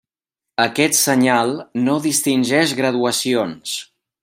Aquest senyal no distingeix graduacions.